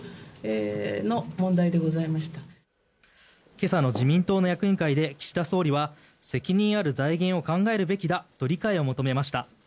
今朝の自民党の役員会で岸田総理は責任ある財源を考えるべきだと理解を求めました。